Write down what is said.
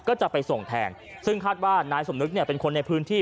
ก็จะไปส่งแทนซึ่งคาดว่านายสมนึกเนี่ยเป็นคนในพื้นที่